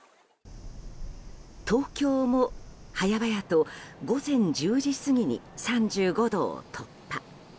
東京も早々と午前１０時過ぎに３５度を突破。